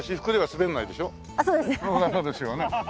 そうですよね。